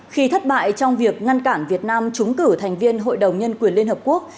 khi thất bại trong việc ngăn cản việt nam trúng cử thành viên hội đồng nhân quyền liên hợp quốc